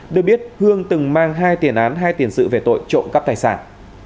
được biết hương từng mang hai tiền án hai tiền sự về tội trộm cắp tài sản